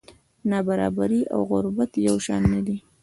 نابرابري او غربت یو شان نه دي.